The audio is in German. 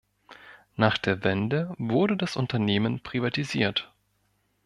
Nach der Wende wurde das Unternehmen privatisiert.